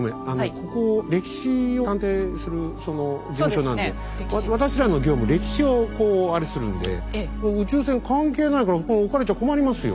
ここ歴史を探偵する事務所なんで私らの業務歴史をこうあれするんで宇宙船関係ないから置かれちゃ困りますよ。